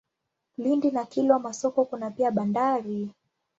Lindi na Kilwa Masoko kuna pia bandari.